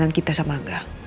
emang driggah darimu shay